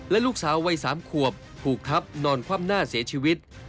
และลูกสาววัย๓ขวบถูกทับนอนคว่ำหน้าเสียชีวิต